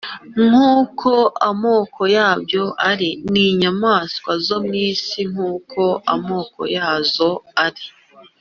nk’uko amoko yabyo ari, n’inyamaswa zo mu isi nk’uko amoko yazo ari.